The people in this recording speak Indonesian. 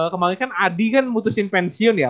kemarin kan adi kan mutusin pensiun ya